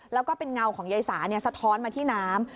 แล้วก็เป็นเงาของยายสาสะท้อนมาที่น้ำ